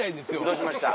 どうしました？